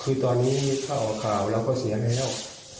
คือตอนนี้ถ้าออกไปกล่าวแล้วก็เสียแล้ว